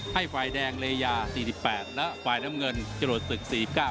ให้ฝ่ายแดงเลยา๔๘และฝ่ายน้ำเงินจรวดศึก๔๙